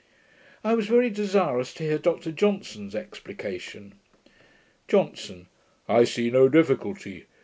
I was very desirous to hear Dr Johnson's explication. JOHNSON. 'I see no difficulty.